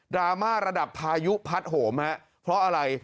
ราม่าระดับพายุพัดโหมฮะเพราะอะไร